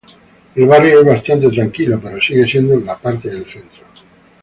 El barrio es bastante tranquilo, pero sigue siendo la parte del centro.